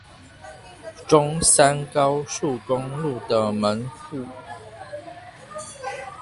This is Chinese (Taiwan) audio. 中山高速公路的門戶